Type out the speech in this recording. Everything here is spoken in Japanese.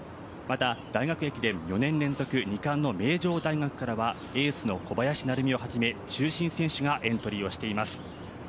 また、大学駅伝４年連続２冠の名城大学からはエースの小林成美をはじめ中心選手がエントリーしています。